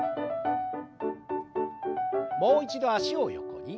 もう一度脚を横に。